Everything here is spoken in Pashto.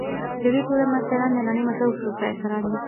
د دې ټولنې مرستیالان د نړۍ مشهور پروفیسوران دي.